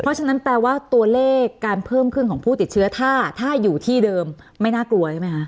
เพราะฉะนั้นแปลว่าตัวเลขการเพิ่มขึ้นของผู้ติดเชื้อถ้าอยู่ที่เดิมไม่น่ากลัวใช่ไหมคะ